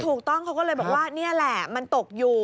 ถูกต้องเขาก็เลยบอกว่านี่แหละมันตกอยู่